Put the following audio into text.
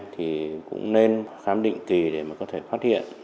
thì cũng nên khám định kỳ để mà có thể phát hiện